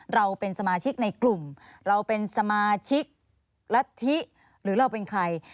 เราเป็นสมาชิกในกลุ่มเราเป็นสมาชิกรัฐธิหรือเราเป็นใคร